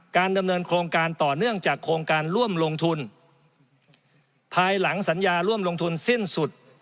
ดำเนินโครงการต่อเนื่องจากโครงการร่วมลงทุนภายหลังสัญญาร่วมลงทุนสิ้นสุด